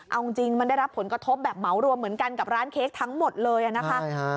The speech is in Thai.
เอาจริงมันได้รับผลกระทบแบบเหมารวมเหมือนกันกับร้านเค้กทั้งหมดเลยนะคะ